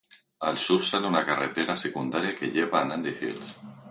Al sur sale una carretera secundaria que lleva a Nandi Hills.